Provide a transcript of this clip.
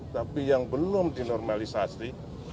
tapi yang belum dinormalisasi